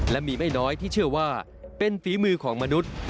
และมีไม่น้อยที่เชื่อว่าเป็นฝีมือของมนุษย์